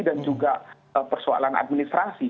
dan juga persoalan administrasi